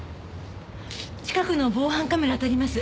近くの防犯カメラあたります。